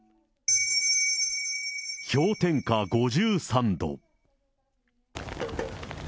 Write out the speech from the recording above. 氷点下５３度。